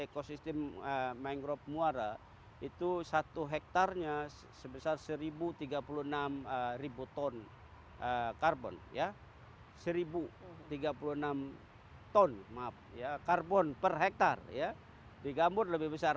kompornya sebesar seribu tiga puluh enam ribu ton karbon ya seribu tiga puluh enam ton map ya karbon per hektar ya digabur lebih besar